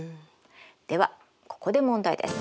ではここで問題です。